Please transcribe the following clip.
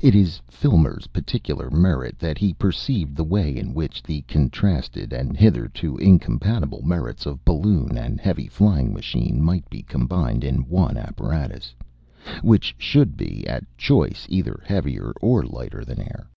It is Filmer's particular merit that he perceived the way in which the contrasted and hitherto incompatible merits of balloon and heavy flying machine might be combined in one apparatus, which should be at choice either heavier or lighter than air.